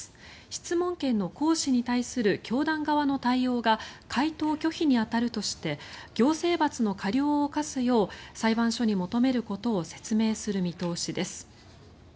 質問権の行使に対する教団側の対応が回答拒否に当たるとして行政罰の過料を科すよう裁判所に求めることを説明する見通しです。